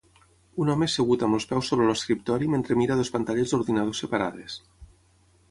Un home assegut amb els peus sobre l'escriptori mentre mira dues pantalles d'ordinador separades.